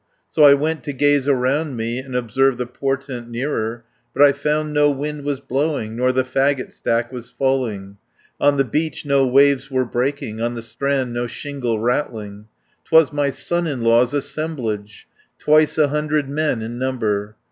So I went to gaze around me, And observe the portent nearer; But I found no wind was blowing, Nor the faggot stack was falling, 30 On the beach no waves were breaking, On the strand no shingle rattling. 'Twas my son in law's assemblage, Twice a hundred men in number.